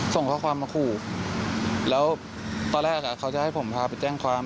ส่งข้อความมาขู่แล้วตอนแรกเขาจะให้ผมพาไปแจ้งความ